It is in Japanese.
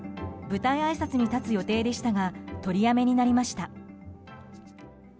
舞台あいさつに立つ予定でしたが取りやめになりました。